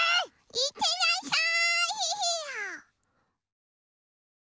いってらっしゃい！